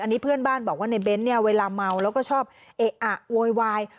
อันนี้เพื่อนบ้านบอกว่าในเบ้นเนี่ยเวลาเมาแล้วก็ชอบเอะอะโวยวาย